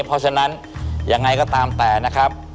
เพราะฉะนั้นยังไงก็ตามแต่นะครับ